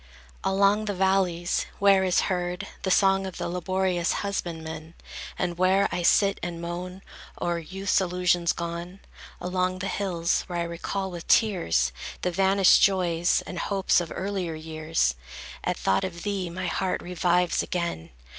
Along the valleys where is heard The song of the laborious husbandman, And where I sit and moan O'er youth's illusions gone; Along the hills, where I recall with tears, The vanished joys and hopes of earlier years, At thought of thee, my heart revives again.